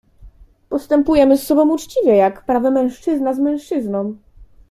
"Postępujemy z sobą uczciwie, jak prawy mężczyzna z mężczyzną?..."